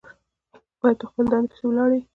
باید په خپله دنده پسې ولاړ وي.